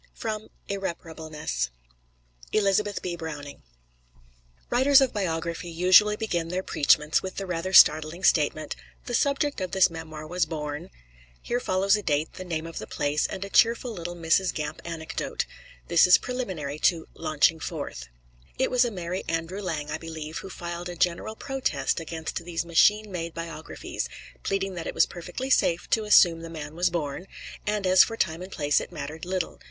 Irreparableness [Illustration: ELIZABETH B. BROWNING] Writers of biography usually begin their preachments with the rather startling statement, "The subject of this memoir was born" Here follows a date, the name of the place and a cheerful little Mrs. Gamp anecdote: this as preliminary to "launching forth." It was the merry Andrew Lang, I believe, who filed a general protest against these machine made biographies, pleading that it was perfectly safe to assume the man was born; and as for the time and place it mattered little.